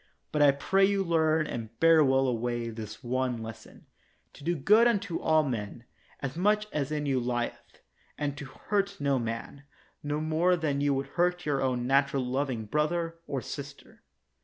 But I pray you learn and bear well away this one lesson, To do good unto all men, as much as in you lieth, and to hurt no man, no more than you would hurt your own natural loving brother or sister.